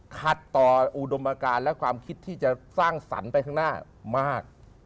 ขัดต่ออุดมการและความคิดที่จะสร้างสรรค์ไปข้างหน้ามาก